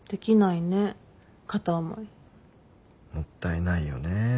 もったいないよね。